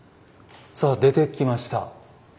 さあ出てきました。